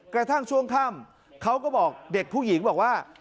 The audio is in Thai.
กระทั่งช่วงค่ำเขาก็บอกเด็กผู้หญิงบอกว่า